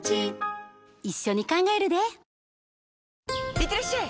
いってらっしゃい！